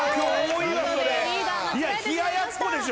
いや冷ややっこでしょ！